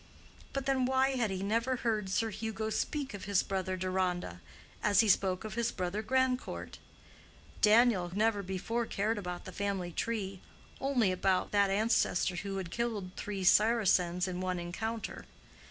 But then, why had he never heard Sir Hugo speak of his brother Deronda, as he spoke of his brother Grandcourt? Daniel had never before cared about the family tree—only about that ancestor who had killed three Saracens in one encounter.